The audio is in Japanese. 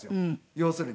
要するに。